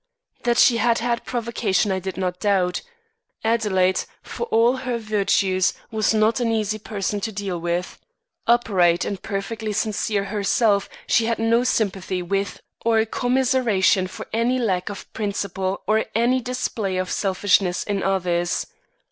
That she had had provocation I did not doubt. Adelaide, for all her virtues, was not an easy person to deal with. Upright and perfectly sincere herself, she had no sympathy with or commiseration for any lack of principle or any display of selfishness in others.